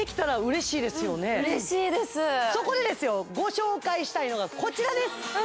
そこでですよご紹介したいのがこちらです